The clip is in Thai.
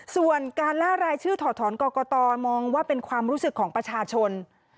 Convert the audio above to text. ส่วนการล่ารายชื่อถอดถอนกรกตมองว่าเป็นความรู้สึกของประชาชน